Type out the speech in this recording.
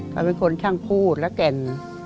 เขาเป็นคนช่างพูดและแก่น